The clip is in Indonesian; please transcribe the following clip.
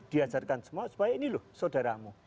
diajarkan semua supaya ini loh saudaramu